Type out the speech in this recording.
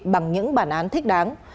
bằng những bản án thích đáng